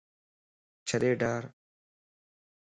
ڇڏي ڊار